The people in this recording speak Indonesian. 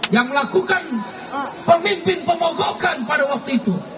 yang melakukan pemimpin pemogokan pada waktu itu